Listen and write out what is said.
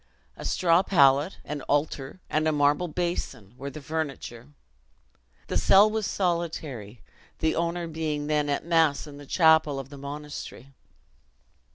A straw pallet, an altar, and a marble basin, were the furniture. The cell was solitary the owner being then at mass in the chapel of the monastery.